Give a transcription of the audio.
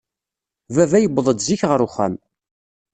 Baba yewweḍ-d zik ɣer uxxam.